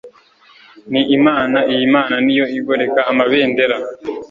Ni Imana Iyi Mana niyo igoreka amabendera